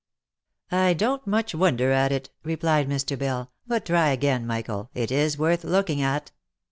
" I don't much wonder at it," replied Mr. Bell; " but try again, Michael, it is worth looking at."